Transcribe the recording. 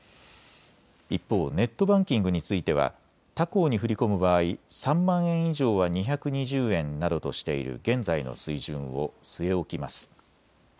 一方ネットバンキングについては他行に振り込む場合、３万円以上は２２０円などとしている現在の水準を据え置きます。